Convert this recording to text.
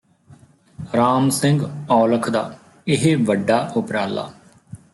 ਰਾਮ ਸਿੰਘ ਔਲਖ ਦਾ ਇਹ ਵੱਡਾ ਉਪਰਾਲਾ